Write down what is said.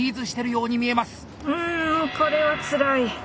うんこれはつらい。